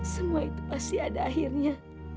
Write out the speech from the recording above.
semua itu pasti ada akhirnya